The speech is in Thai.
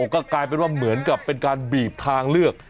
ก็กลายเป็นว่าเหมือนกับเป็นการบีบทางเลือก